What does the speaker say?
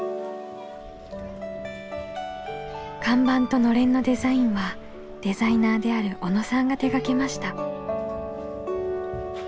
看板とのれんのデザインはデザイナーである小野さんが手がけました。